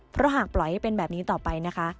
เพราะหากปล่อยให้เป็นแบบนี้ต่อไปนะคะ